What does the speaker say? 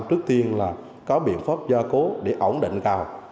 trước tiên là có biện pháp gia cố để ổn định cầu